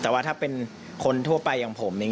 แต่ว่าถ้าเป็นคนทั่วไปอย่างผม